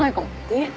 えっ？